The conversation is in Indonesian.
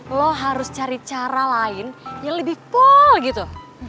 lo harus cari cara lain yang lebih pool gitu